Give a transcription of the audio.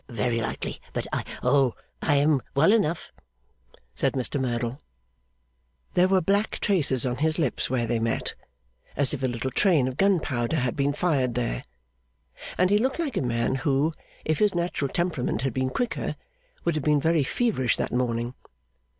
'Very likely. But I Oh, I am well enough,' said Mr Merdle. There were black traces on his lips where they met, as if a little train of gunpowder had been fired there; and he looked like a man who, if his natural temperament had been quicker, would have been very feverish that morning.